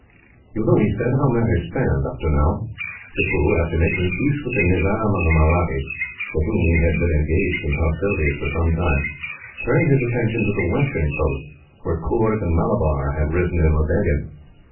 "You know," he said, "how matters stand, up to now. Tippoo, after making peace with the Nizam and the Mahrattis, with whom he had been engaged in hostilities for some time, turned his attention to the western coast, where Coorg and Malabar had risen in rebellion.